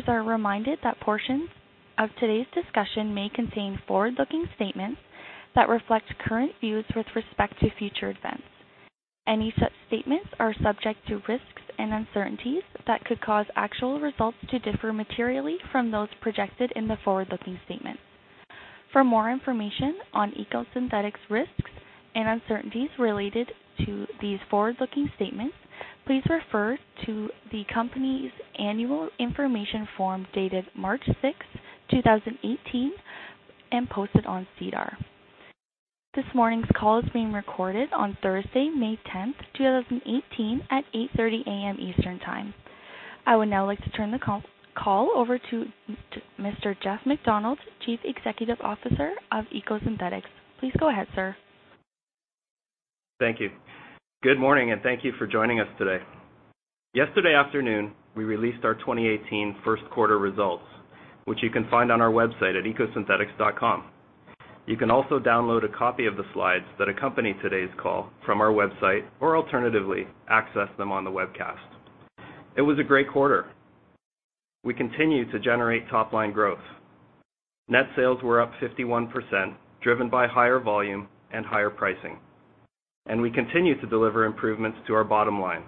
Listeners are reminded that portions of today's discussion may contain forward-looking statements that reflect current views with respect to future events. Any such statements are subject to risks and uncertainties that could cause actual results to differ materially from those projected in the forward-looking statements. For more information on EcoSynthetix risks and uncertainties related to these forward-looking statements, please refer to the company's annual information form dated March 6th, 2018, and posted on SEDAR. This morning's call is being recorded on Thursday May 10th, 2018, at 8:30 A.M. Eastern Time. I would now like to turn the call over to Mr. Jeff MacDonald, Chief Executive Officer of EcoSynthetix. Please go ahead, sir. Thank you. Good morning, and thank you for joining us today. Yesterday afternoon, we released our 2018 first quarter results, which you can find on our website at ecosynthetix.com. You can also download a copy of the slides that accompany today's call from our website, or alternatively, access them on the webcast. It was a great quarter. We continue to generate top-line growth. Net sales were up 51%, driven by higher volume and higher pricing. We continue to deliver improvements to our bottom line,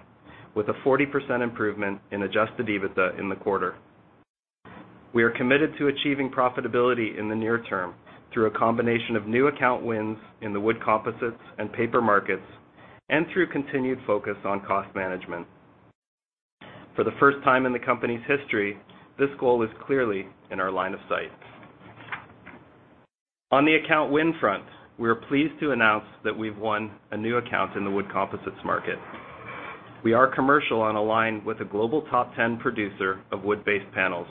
with a 40% improvement in adjusted EBITDA in the quarter. We are committed to achieving profitability in the near term, through a combination of new account wins in the wood composites and paper markets, and through continued focus on cost management. For the first time in the company's history, this goal is clearly in our line of sight. On the account win front, we are pleased to announce that we've won a new account in the wood composites market. We are commercial on a line with a global top 10 producer of wood-based panels.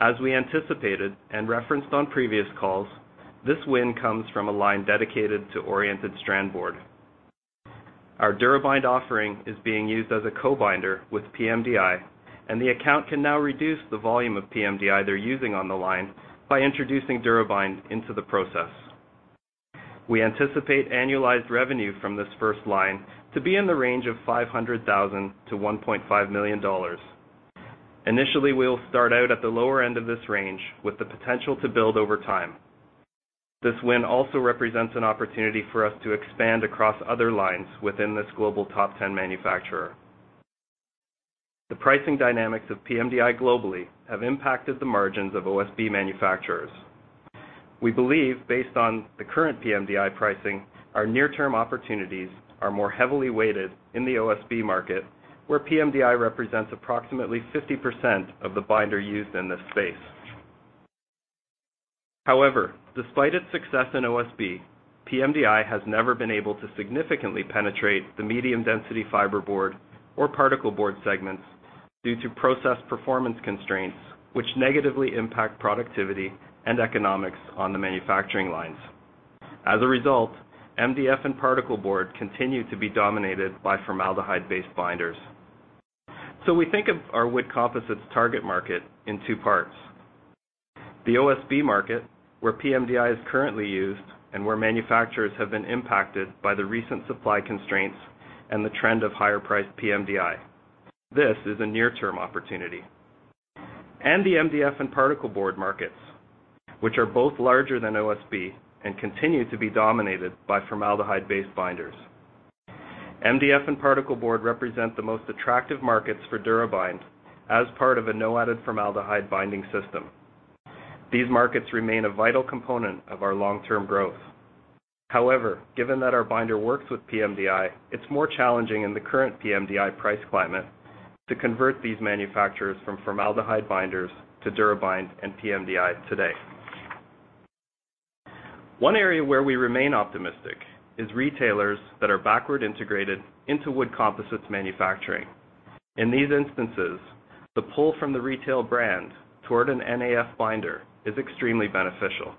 As we anticipated and referenced on previous calls, this win comes from a line dedicated to oriented strand board. Our DuraBind offering is being used as a co-binder with pMDI, and the account can now reduce the volume of pMDI they're using on the line by introducing DuraBind into the process. We anticipate annualized revenue from this first line to be in the range of 500,000-1.5 million dollars. Initially, we will start out at the lower end of this range, with the potential to build over time. This win also represents an opportunity for us to expand across other lines within this global top 10 manufacturer. The pricing dynamics of pMDI globally have impacted the margins of OSB manufacturers. We believe, based on the current pMDI pricing, our near-term opportunities are more heavily weighted in the OSB market, where pMDI represents approximately 50% of the binder used in this space. However, despite its success in OSB, pMDI has never been able to significantly penetrate the medium-density fiberboard or particleboard segments due to process performance constraints, which negatively impact productivity and economics on the manufacturing lines. As a result, MDF and particleboard continue to be dominated by formaldehyde-based binders. We think of our wood composites target market in two parts. The OSB market, where pMDI is currently used and where manufacturers have been impacted by the recent supply constraints and the trend of higher priced pMDI. This is a near-term opportunity. The MDF and particleboard markets, which are both larger than OSB and continue to be dominated by formaldehyde-based binders. MDF and particleboard represent the most attractive markets for DuraBind as part of a no added formaldehyde binding system. These markets remain a vital component of our long-term growth. However, given that our binder works with pMDI, it's more challenging in the current pMDI price climate to convert these manufacturers from formaldehyde binders to DuraBind and pMDI today. One area where we remain optimistic is retailers that are backward integrated into wood composites manufacturing. In these instances, the pull from the retail brand toward an NAF binder is extremely beneficial.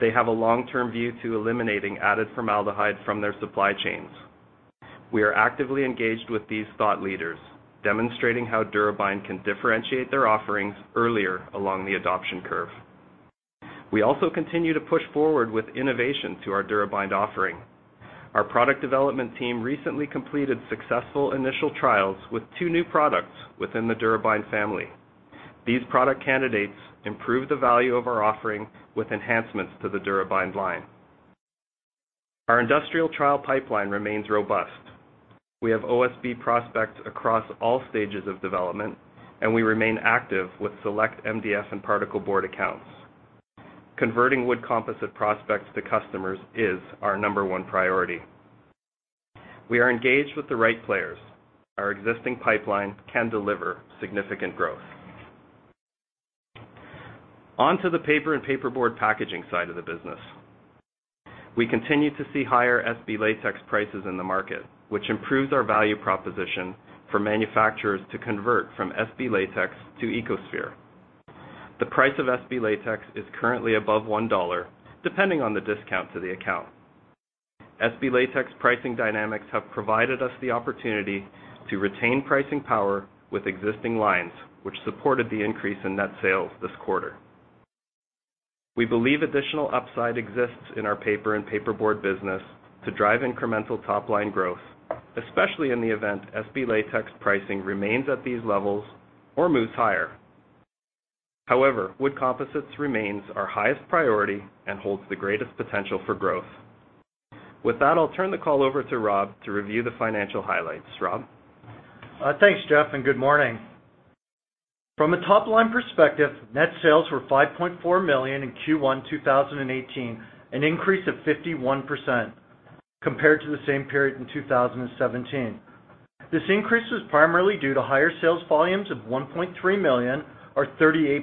They have a long-term view to eliminating added formaldehyde from their supply chains. We are actively engaged with these thought leaders, demonstrating how DuraBind can differentiate their offerings earlier along the adoption curve. We also continue to push forward with innovation to our DuraBind offering. Our product development team recently completed successful initial trials with two new products within the DuraBind family. These product candidates improve the value of our offering with enhancements to the DuraBind line. Our industrial trial pipeline remains robust. We have OSB prospects across all stages of development, and we remain active with select MDF and particleboard accounts. Converting wood composite prospects to customers is our number one priority. We are engaged with the right players. Our existing pipeline can deliver significant growth. On to the paper and paperboard packaging side of the business. We continue to see higher SB latex prices in the market, which improves our value proposition for manufacturers to convert from SB latex to EcoSphere. The price of SB latex is currently above 1 dollar, depending on the discount to the account. SB latex pricing dynamics have provided us the opportunity to retain pricing power with existing lines, which supported the increase in net sales this quarter. We believe additional upside exists in our paper and paperboard business to drive incremental top-line growth, especially in the event SB latex pricing remains at these levels or moves higher. However, wood composites remains our highest priority and holds the greatest potential for growth. With that, I'll turn the call over to Rob to review the financial highlights. Rob? Thanks, Jeff, good morning. From a top-line perspective, net sales were 5.4 million in Q1 2018, an increase of 51% compared to the same period in 2017. This increase was primarily due to higher sales volumes of 1.3 million, or 38%,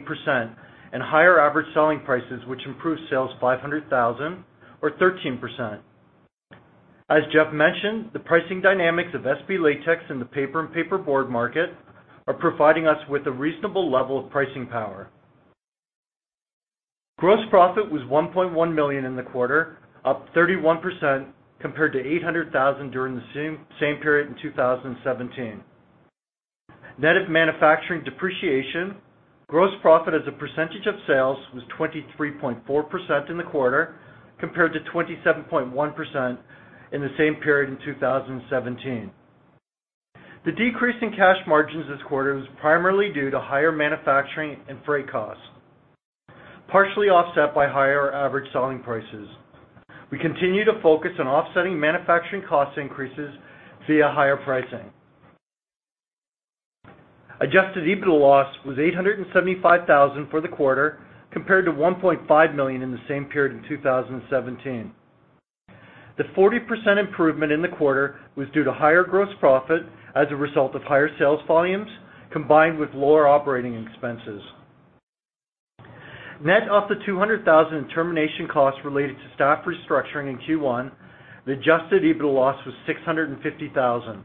and higher average selling prices, which improved sales 500,000 or 13%. As Jeff mentioned, the pricing dynamics of SB latex in the paper and paperboard market are providing us with a reasonable level of pricing power. Gross profit was 1.1 million in the quarter, up 31% compared to 800,000 during the same period in 2017. Net of manufacturing depreciation, gross profit as a percentage of sales was 23.4% in the quarter, compared to 27.1% in the same period in 2017. The decrease in cash margins this quarter was primarily due to higher manufacturing and freight costs, partially offset by higher average selling prices. We continue to focus on offsetting manufacturing cost increases via higher pricing. Adjusted EBITDA loss was 875,000 for the quarter, compared to 1.5 million in the same period in 2017. The 40% improvement in the quarter was due to higher gross profit as a result of higher sales volumes combined with lower operating expenses. Net of the 200,000 in termination costs related to staff restructuring in Q1, the adjusted EBITDA loss was 650,000.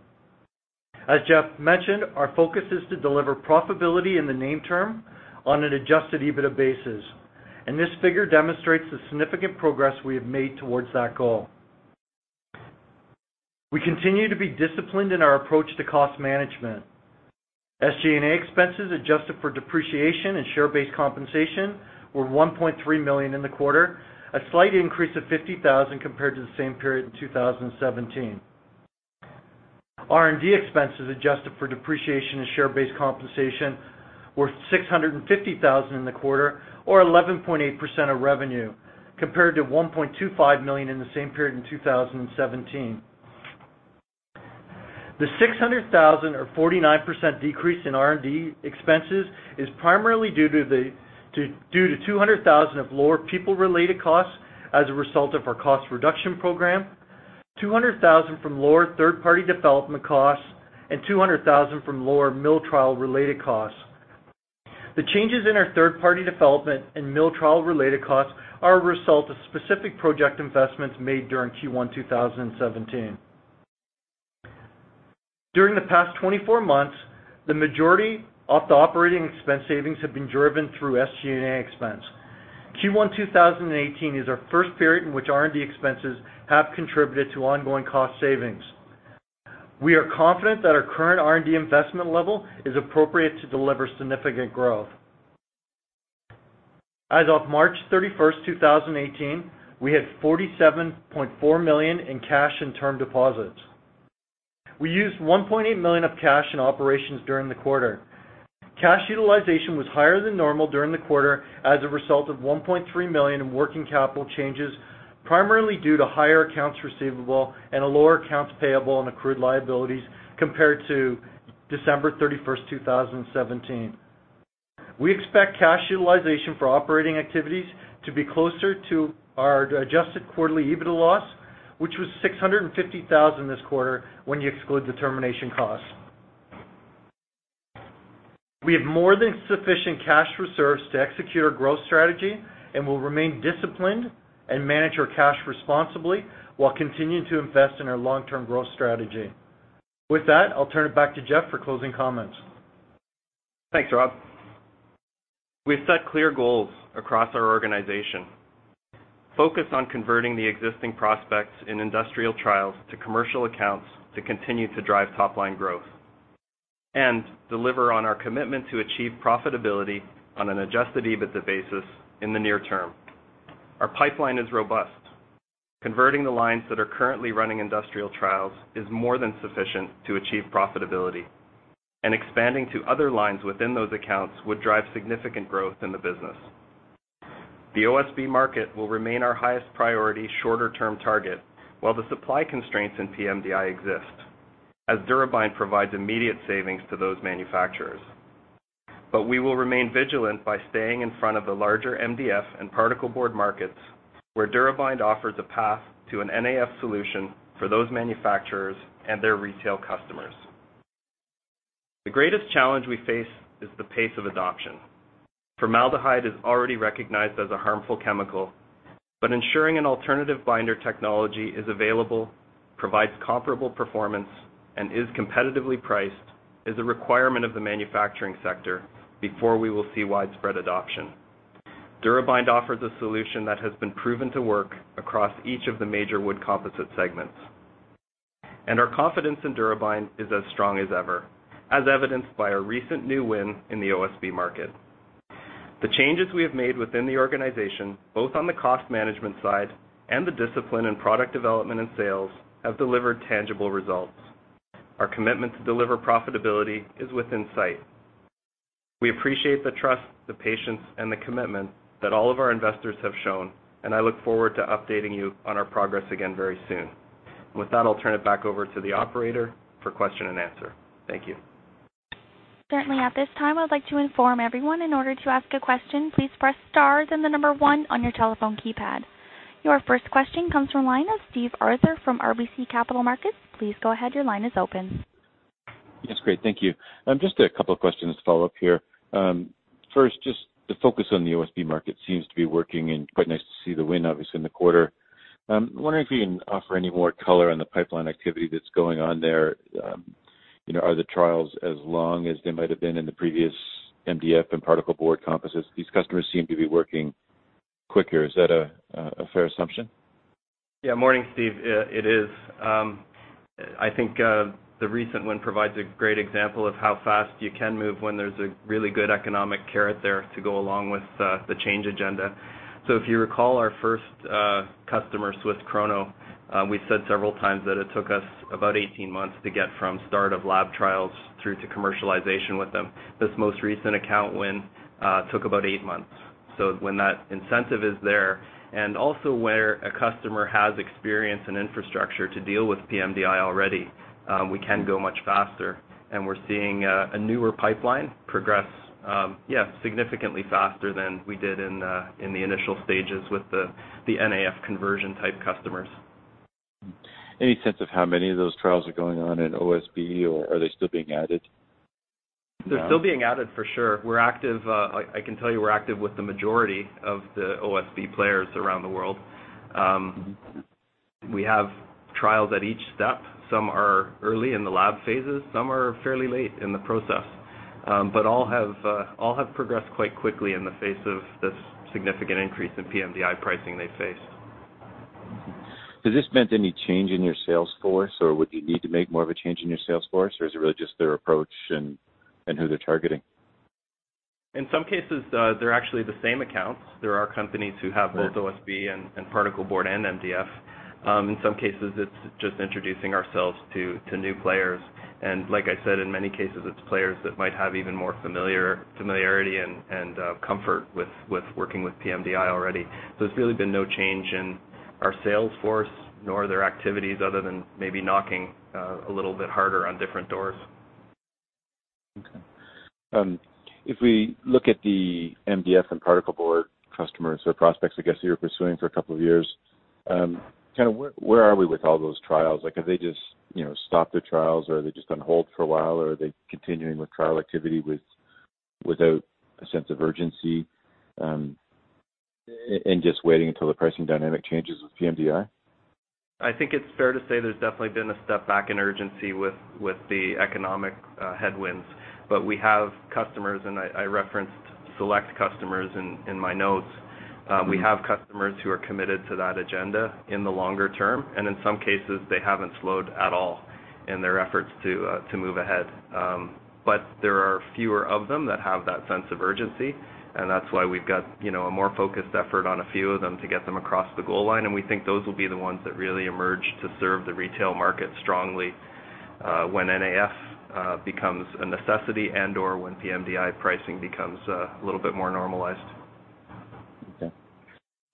As Jeff mentioned, our focus is to deliver profitability in the near term on an adjusted EBITDA basis, and this figure demonstrates the significant progress we have made towards that goal. We continue to be disciplined in our approach to cost management. SG&A expenses adjusted for depreciation and share-based compensation were 1.3 million in the quarter, a slight increase of 50,000 compared to the same period in 2017. R&D expenses adjusted for depreciation and share-based compensation were 650,000 in the quarter, or 11.8% of revenue, compared to 1.25 million in the same period in 2017. The 600,000 or 49% decrease in R&D expenses is primarily due to 200,000 of lower people-related costs as a result of our cost reduction program, 200,000 from lower third-party development costs, and 200,000 from lower mill trial-related costs. The changes in our third-party development and mill trial-related costs are a result of specific project investments made during Q1 2017. During the past 24 months, the majority of the operating expense savings have been driven through SG&A expense. Q1 2018 is our first period in which R&D expenses have contributed to ongoing cost savings. We are confident that our current R&D investment level is appropriate to deliver significant growth. As of March 31st, 2018, we had 47.4 million in cash and term deposits. We used 1.8 million of cash in operations during the quarter. Cash utilization was higher than normal during the quarter as a result of 1.3 million in working capital changes, primarily due to higher accounts receivable and a lower accounts payable and accrued liabilities compared to December 31st, 2017. We expect cash utilization for operating activities to be closer to our adjusted quarterly EBITDA loss, which was 650,000 this quarter, when you exclude the termination costs. We have more than sufficient cash reserves to execute our growth strategy and will remain disciplined and manage our cash responsibly while continuing to invest in our long-term growth strategy. With that, I'll turn it back to Jeff for closing comments. Thanks, Rob. We've set clear goals across our organization, focused on converting the existing prospects in industrial trials to commercial accounts to continue to drive top-line growth and deliver on our commitment to achieve profitability on an adjusted EBITDA basis in the near term. Our pipeline is robust. Converting the lines that are currently running industrial trials is more than sufficient to achieve profitability, and expanding to other lines within those accounts would drive significant growth in the business. The OSB market will remain our highest priority shorter-term target while the supply constraints in pMDI exist, as DuraBind provides immediate savings to those manufacturers. We will remain vigilant by staying in front of the larger MDF and particleboard markets, where DuraBind offers a path to an NAF solution for those manufacturers and their retail customers. The greatest challenge we face is the pace of adoption. Formaldehyde is already recognized as a harmful chemical, but ensuring an alternative binder technology is available, provides comparable performance, and is competitively priced is a requirement of the manufacturing sector before we will see widespread adoption. DuraBind offers a solution that has been proven to work across each of the major wood composite segments. Our confidence in DuraBind is as strong as ever, as evidenced by a recent new win in the OSB market. The changes we have made within the organization, both on the cost management side and the discipline in product development and sales, have delivered tangible results. Our commitment to deliver profitability is within sight. We appreciate the trust, the patience, and the commitment that all of our investors have shown, and I look forward to updating you on our progress again very soon. With that, I'll turn it back over to the operator for question and answer. Thank you. Certainly. At this time, I would like to inform everyone in order to ask a question, please press star and the number 1 on your telephone keypad. Your first question comes from line of Steve Arthur from RBC Capital Markets. Please go ahead. Your line is open. Yes, great. Thank you. Just a couple of questions to follow up here. First, just the focus on the OSB market seems to be working and quite nice to see the win, obviously, in the quarter. I'm wondering if you can offer any more color on the pipeline activity that's going on there. Are the trials as long as they might have been in the previous MDF and particle board composites? These customers seem to be working quicker. Is that a fair assumption? Yeah. Morning, Steve. It is. I think, the recent win provides a great example of how fast you can move when there's a really good economic carrot there to go along with the change agenda. If you recall our first customer, Swiss Krono, we said several times that it took us about 18 months to get from start of lab trials through to commercialization with them. This most recent account win took about eight months. When that incentive is there, and also where a customer has experience and infrastructure to deal with pMDI already, we can go much faster. We're seeing a newer pipeline progress, yeah, significantly faster than we did in the initial stages with the NAF conversion type customers. Any sense of how many of those trials are going on in OSB, or are they still being added now? They're still being added for sure. I can tell you, we're active with the majority of the OSB players around the world. We have trials at each step. Some are early in the lab phases, some are fairly late in the process. All have progressed quite quickly in the face of this significant increase in pMDI pricing they face. Has this meant any change in your sales force, or would you need to make more of a change in your sales force, or is it really just their approach and who they're targeting? In some cases, they're actually the same accounts. There are companies who have both OSB and particle board and MDF. In some cases, it's just introducing ourselves to new players, and like I said, in many cases, it's players that might have even more familiarity and comfort with working with pMDI already. There's really been no change in our sales force nor their activities other than maybe knocking a little bit harder on different doors. Okay. If we look at the MDF and particle board customers or prospects, I guess, you were pursuing for a couple of years, where are we with all those trials? Have they just stopped their trials, or are they just on hold for a while, or are they continuing with trial activity without a sense of urgency, and just waiting until the pricing dynamic changes with pMDI? I think it's fair to say there's definitely been a step back in urgency with the economic headwinds. We have customers, and I referenced select customers in my notes. We have customers who are committed to that agenda in the longer term, and in some cases, they haven't slowed at all in their efforts to move ahead. There are fewer of them that have that sense of urgency, and that's why we've got a more focused effort on a few of them to get them across the goal line, and we think those will be the ones that really emerge to serve the retail market strongly, when NAF becomes a necessity and/or when pMDI pricing becomes a little bit more normalized.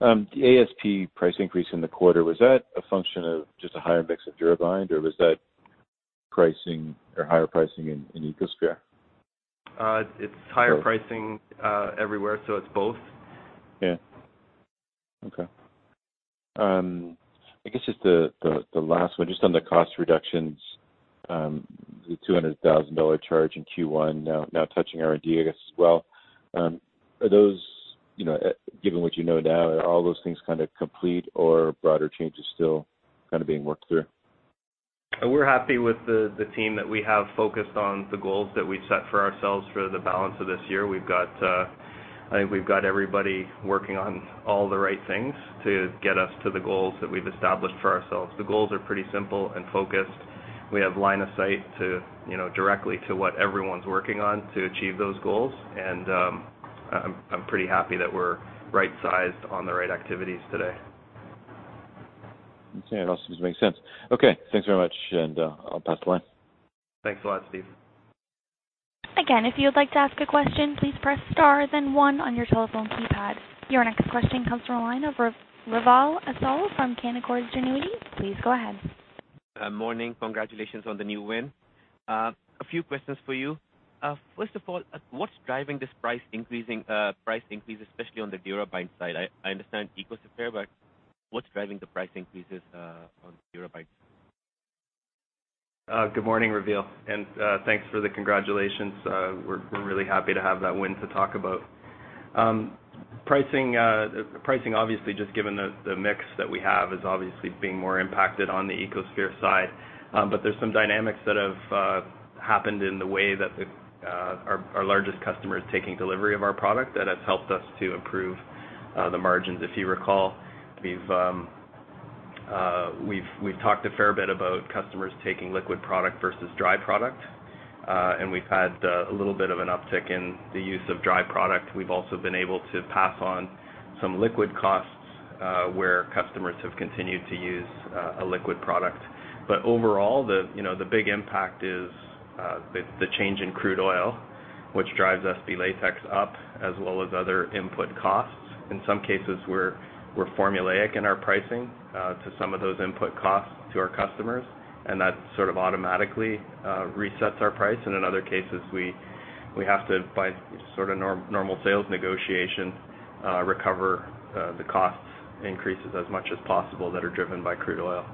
Okay. The ASP price increase in the quarter, was that a function of just a higher mix of DuraBind, or was that higher pricing in EcoSphere? It's higher pricing everywhere, so it's both. Yeah. Okay. I guess just the last one, just on the cost reductions, the 200,000 dollar charge in Q1 now touching R&D, I guess, as well. Given what you know now, are all those things kind of complete or broader changes still kind of being worked through? We're happy with the team that we have focused on the goals that we've set for ourselves for the balance of this year. I think we've got everybody working on all the right things to get us to the goals that we've established for ourselves. The goals are pretty simple and focused. We have line of sight directly to what everyone's working on to achieve those goals, and I'm pretty happy that we're right-sized on the right activities today. Okay. It all seems to make sense. Okay, thanks very much, and I'll pass the line. Thanks a lot, Steve. If you would like to ask a question, please press star then one on your telephone keypad. Your next question comes from the line of Raveel Afzaal from Canaccord Genuity. Please go ahead. Morning. Congratulations on the new win. A few questions for you. First of all, what's driving this price increase, especially on the DuraBind side? I understand EcoSphere, but what's driving the price increases on DuraBind? Good morning, Raveel, and thanks for the congratulations. We're really happy to have that win to talk about. Pricing, obviously, just given the mix that we have, is obviously being more impacted on the EcoSphere side. There's some dynamics that have happened in the way that our largest customer is taking delivery of our product that has helped us to improve the margins, if you recall, we've talked a fair bit about customers taking liquid product versus dry product. We've had a little bit of an uptick in the use of dry product. We've also been able to pass on some liquid costs where customers have continued to use a liquid product. Overall, the big impact is the change in crude oil, which drives SB latex up, as well as other input costs. In some cases, we're formulaic in our pricing to some of those input costs to our customers, and that sort of automatically resets our price. In other cases, we have to, by sort of normal sales negotiation, recover the cost increases as much as possible that are driven by crude oil.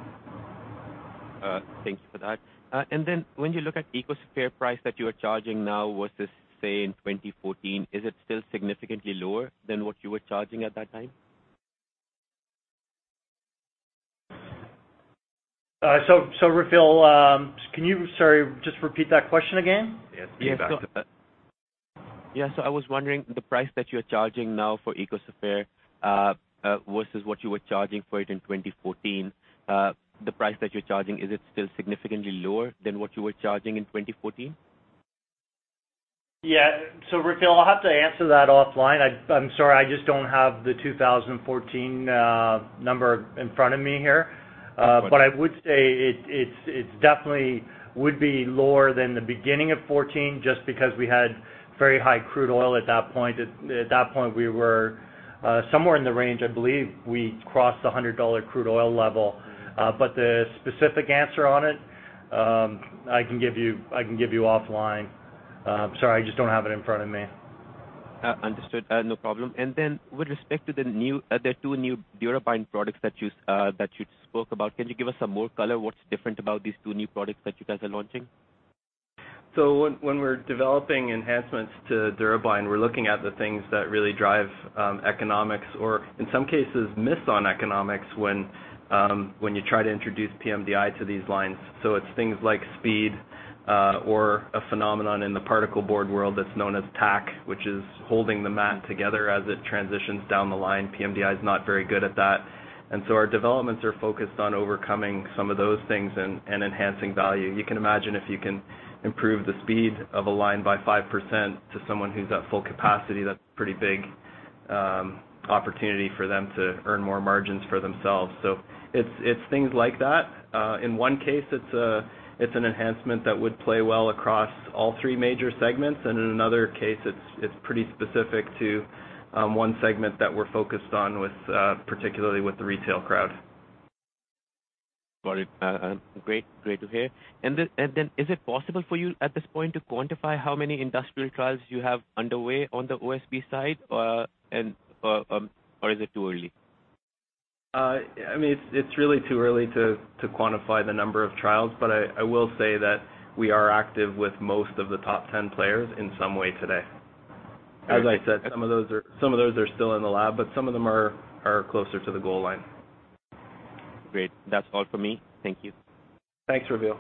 Thanks for that. When you look at EcoSphere price that you are charging now versus, say, in 2014, is it still significantly lower than what you were charging at that time? Raveel, can you, sorry, just repeat that question again? Yes, please. Yeah. I was wondering, the price that you're charging now for EcoSphere versus what you were charging for it in 2014, the price that you're charging, is it still significantly lower than what you were charging in 2014? Yeah. Raveel, I'll have to answer that offline. I'm sorry, I just don't have the 2014 number in front of me here. I would say it definitely would be lower than the beginning of 2014, just because we had very high crude oil at that point. At that point, we were somewhere in the range, I believe we crossed the $100 crude oil level. The specific answer on it, I can give you offline. I'm sorry, I just don't have it in front of me. Understood. No problem. With respect to the two new DuraBind products that you spoke about, can you give us some more color? What's different about these two new products that you guys are launching? When we're developing enhancements to DuraBind, we're looking at the things that really drive economics or, in some cases, miss on economics when you try to introduce pMDI to these lines. It's things like speed or a phenomenon in the particleboard world that's known as tack, which is holding the mat together as it transitions down the line. pMDI is not very good at that. Our developments are focused on overcoming some of those things and enhancing value. You can imagine if you can improve the speed of a line by 5% to someone who's at full capacity, that's a pretty big opportunity for them to earn more margins for themselves. It's things like that. In one case, it's an enhancement that would play well across all three major segments. In another case, it's pretty specific to one segment that we're focused on, particularly with the retail crowd. Got it. Great to hear. Is it possible for you at this point to quantify how many industrial trials you have underway on the OSB side, or is it too early? It's really too early to quantify the number of trials. I will say that we are active with most of the top 10 players in some way today. As I said, some of those are still in the lab. Some of them are closer to the goal line. Great. That's all for me. Thank you. Thanks, Raveel.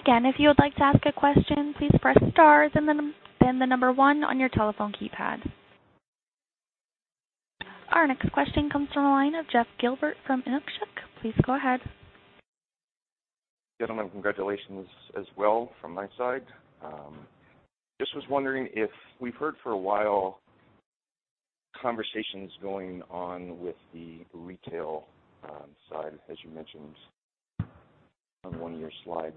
If you would like to ask a question, please press star, then the number one on your telephone keypad. Our next question comes from the line of Jeff Gilbert from Inuvik. Please go ahead. Gentlemen, congratulations as well from my side. I just was wondering if we've heard for a while conversations going on with the retail side, as you mentioned on one of your slides.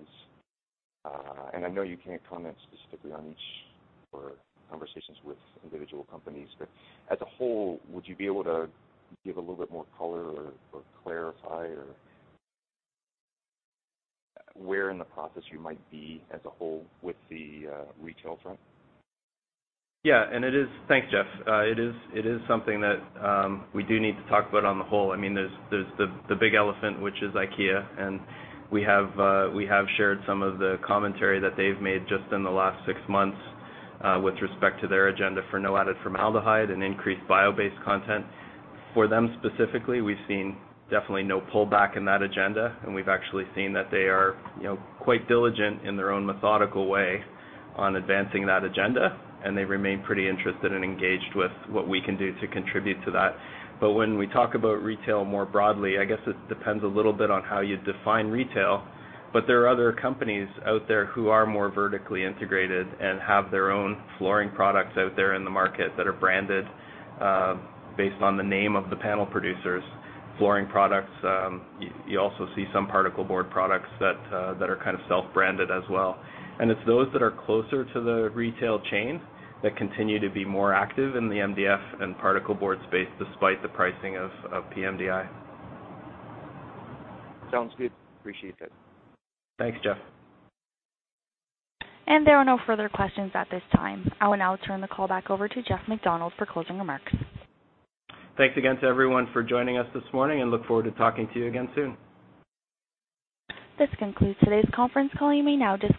I know you can't comment specifically on each, or conversations with individual companies, but as a whole, would you be able to give a little bit more color or clarify where in the process you might be as a whole with the retail front? Yeah. Thanks, Jeff. It is something that we do need to talk about on the whole. There's the big elephant, which is IKEA, and we have shared some of the commentary that they've made just in the last six months with respect to their agenda for no added formaldehyde and increased bio-based content. For them specifically, we've seen definitely no pullback in that agenda, and we've actually seen that they are quite diligent in their own methodical way on advancing that agenda, and they remain pretty interested and engaged with what we can do to contribute to that. When we talk about retail more broadly, I guess it depends a little bit on how you define retail. There are other companies out there who are more vertically integrated and have their own flooring products out there in the market that are branded based on the name of the panel producers. Flooring products, you also see some particleboard products that are kind of self-branded as well. It's those that are closer to the retail chain that continue to be more active in the MDF and particleboard space despite the pricing of pMDI. Sounds good. Appreciate it. Thanks, Jeff. There are no further questions at this time. I will now turn the call back over to Jeff MacDonald for closing remarks. Thanks again to everyone for joining us this morning, and look forward to talking to you again soon. This concludes today's conference call. You may now disconnect.